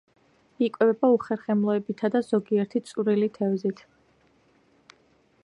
იკვებება უხერხემლოებითა და ზოგიერთი წვრილი თევზით.